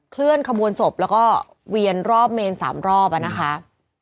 เคลื่อนขบวนศพแล้วก็เวียนรอบเมน๓รอบนะคะ